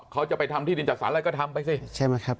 เขาจะไปทำที่ดินจัดสารอะไรก็ทำไปสิ